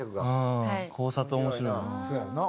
考察面白いな。